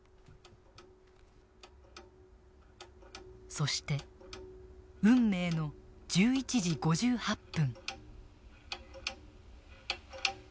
そして運命の１１時５８分。